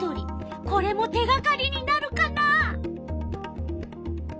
これも手がかりになるかな？